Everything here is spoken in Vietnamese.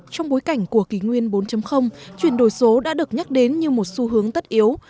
trong bối cảnh của kỳ nguyên bốn chuyển đổi số đã được nhắc đến như một xu hướng tất yếu